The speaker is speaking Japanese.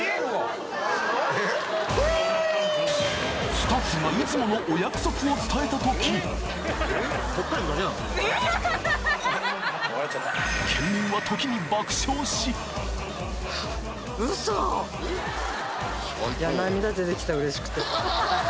スタッフがいつものお約束を伝えた時県民は時に爆笑し嬉しくて。